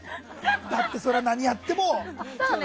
だってそりゃ、何やっても。